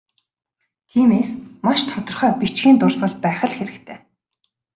Тиймээс, маш тодорхой бичгийн дурсгал байх л хэрэгтэй.